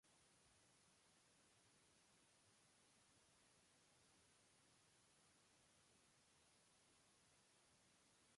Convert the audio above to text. Ĝi situas nord-okcidente en la lando kaj etendiĝas de Balkano sude ĝis Danubo norde.